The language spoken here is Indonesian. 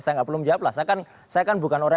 saya nggak perlu menjawab lah saya kan bukan orang